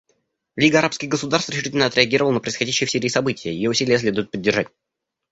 Лига арабских государств решительно отреагировала на происходящие в Сирии события; ее усилия следует поддержать.